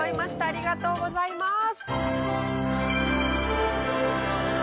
ありがとうございます。